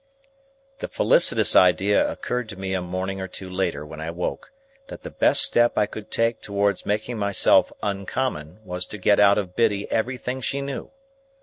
The felicitous idea occurred to me a morning or two later when I woke, that the best step I could take towards making myself uncommon was to get out of Biddy everything she knew.